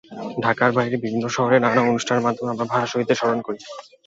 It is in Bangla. ঢাকার বাইরে বিভিন্ন শহরেও নানা অনুষ্ঠানের মাধ্যমে আমরা ভাষাশহীদদের স্মরণ করি।